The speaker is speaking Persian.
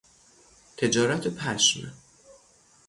تجارت پشم